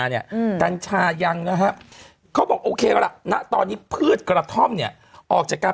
เนี่ยกัญชายังนะฮะเขาบอกโอเคแล้วล่ะณตอนนี้พืชกระท่อมเนี่ยออกจากการ